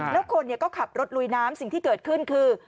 แล้วคนก็ขับรถลุยน้ำสิ่งที่เกิดขึ้นคือ